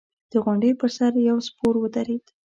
د غونډۍ پر سر يو سپور ودرېد.